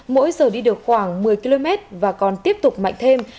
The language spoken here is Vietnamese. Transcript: mỗi giờ đi được khoảng một mươi km và còn tiếp tục mạnh thêm